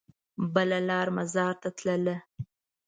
بله لار مزار ته تلله.